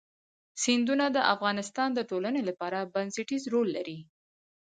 سیندونه د افغانستان د ټولنې لپاره بنسټيز رول لري.